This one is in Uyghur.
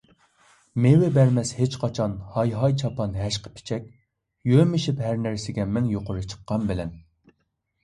مېۋە بەرمەس ھېچقاچان ھاي - ھاي چاپان ھەشقىپىچەك، يۆمىشىپ ھەرنەرسىگە مىڭ يۇقىرى چىققان بىلەن.